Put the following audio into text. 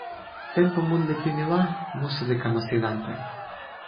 tenpo mun li pini la, musi li kama sin ante.